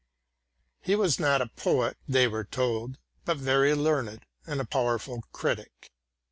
He was not a poet, they were told, but very learned and a powerful critic.